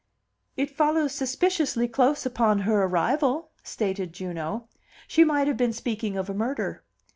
"It follows suspiciously close upon her arrival," stated Juno. She might have been speaking of a murder.